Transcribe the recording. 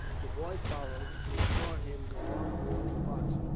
"The boy followed and he saw him go on board the Boxer.